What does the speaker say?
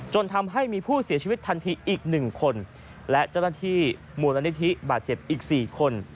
จนทำให้มีผู้เสียชีวิตทันทีอีก๑คนและเจ้าหน้าที่มูลนิธิบาดเจ็บอีก๔คน